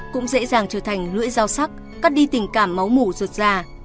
cũng dễ dàng trở thành lưỡi dao sắc cắt đi tình cảm máu mủ rượt ra